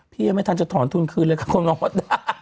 ยังไม่ทันจะถอนทุนคืนเลยค่ะคุณน้องมด